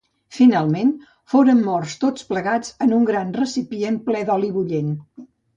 Finalment, foren morts tots plegats en un gran recipient ple d'oli bullent.